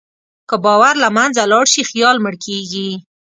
که باور له منځه لاړ شي، خیال مړ کېږي.